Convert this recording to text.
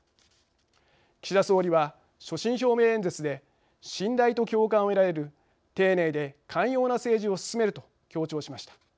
岸田総理は、所信表明演説で信頼と共感を得られる丁寧で寛容な政治を進めると強調しました。